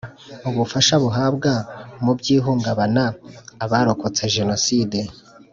ubufasha bahabwa mu by’ihungabana abarokotse Jenoside